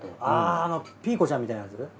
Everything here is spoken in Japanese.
あピーコちゃんみたいなやつ？